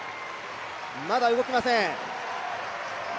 まだ動きません。